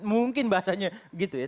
mungkin bahasanya gitu ya